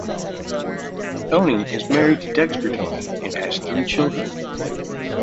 Toney is married to Dexter Toney and has three children.